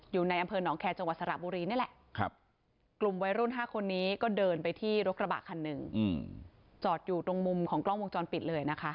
อยู่ในอำเภอหนองแคจังหวัดสระบุรีเนี่ยแหละ